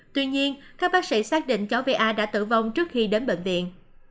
tuy nhiên các bác sĩ xác định cháu va đã tử vong trước khi đến bệnh viện